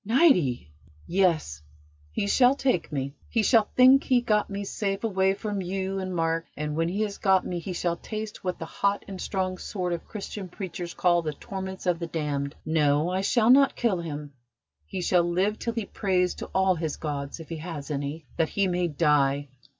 "Niti!" "Yes, he shall take me; he shall think he had got me safe away from you and Mark and when he has got me he shall taste what the hot and strong sort of Christian preachers call the torments of the damned. No, I shall not kill him. He shall live till he prays to all his gods, if he has any, that he may die.